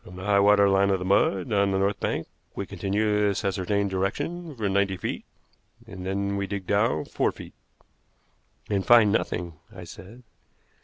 From the high water line of mud on the north bank we continue this ascertained direction for ninety feet, and then we dig down four feet." "And find nothing," I said.